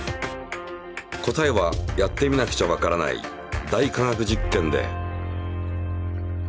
答えはやってみなくちゃわからない「大科学実験」で。